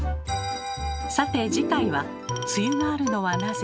さて次回は「梅雨があるのはなぜ？」